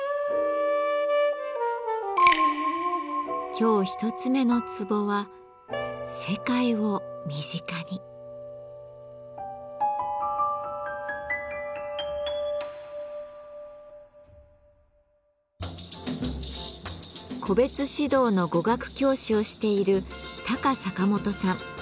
今日一つ目のツボは個別指導の語学教師をしているタカサカモトさん。